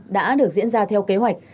đã được diễn ra theo kế hoạch